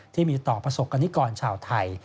ที่มีต่อประสบกรณิกรชาวไทย